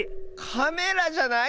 カメラじゃない？